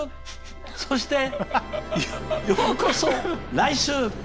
そして、ようこそ来週！